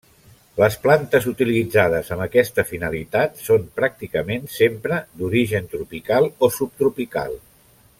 Les plantes utilitzades amb aquesta finalitat són pràcticament sempre d’origen tropical o subtropical.